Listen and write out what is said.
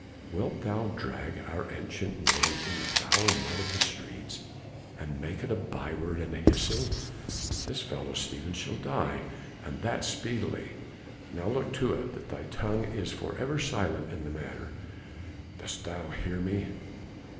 Wilt thou drag our ancient name in the foul mud of the streets and make it a by word and a hissing? This fellow Stephen shall die, and that speedily; now look to it that thy tongue is forevermore silent in the matter! Dost thou hear me?"